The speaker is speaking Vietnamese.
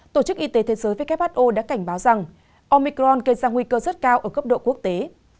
tổ chức y tế thế giới who đã cảnh báo rằng omicron gây ra nguy cơ rất cao ở cấp độ quốc tế